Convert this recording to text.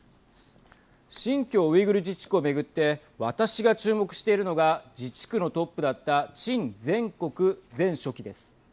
新疆ウイグル自治区を巡って私が注目しているのが自治区のトップだった陳全国前書記です。